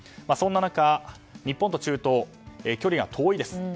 そんな中、日本と中東距離が遠いです。